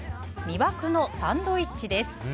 魅惑のサンドイッチです。